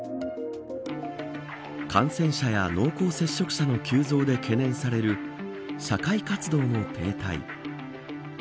感染者や濃厚接触者の急増で懸念される社会活動の停滞。